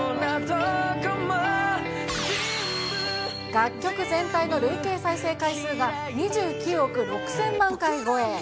楽曲全体の累計再生回数が２９億６０００万回超え。